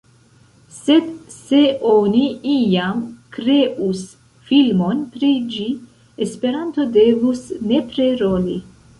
Sed se oni iam kreus filmon pri ĝi, Esperanto devus nepre roli.